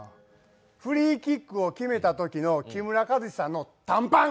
フリーキックを決めたときの木村さんの短パン！